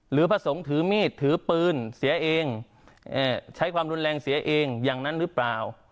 พระสงฆ์ถือมีดถือปืนเสียเองใช้ความรุนแรงเสียเองอย่างนั้นหรือเปล่า